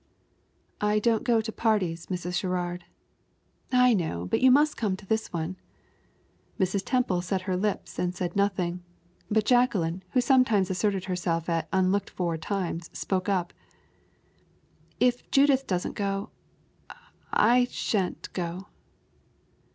"I don't go to parties, Mrs. Sherrard." "I know; but you must come to this one." Mrs. Temple set her lips and said nothing, but Jacqueline, who sometimes asserted herself at unlooked for times, spoke up: "If Judith doesn't go, I I sha'n't go."